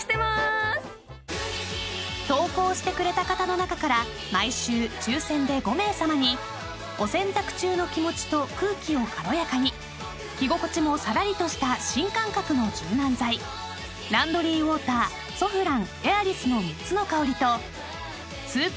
［投稿してくれた方の中から毎週抽選で５名さまにお洗濯中の気持ちと空気を軽やかに着心地もさらりとした新感覚の柔軟剤ランドリーウォーターソフランＡｉｒｉｓの３つの香りとスーパーＮＡＮＯＸ